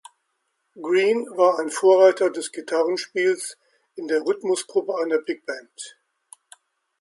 Green war ein Vorreiter des Gitarrenspiels in der Rhythmusgruppe einer Bigband.